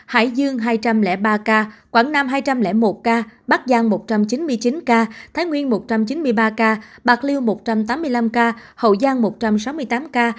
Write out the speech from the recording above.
hải dương hai trăm linh ba ca quảng nam hai trăm linh một ca bắc giang một trăm chín mươi chín ca thái nguyên một trăm chín mươi ba ca bạc liêu một trăm tám mươi năm ca hậu giang một trăm sáu mươi tám ca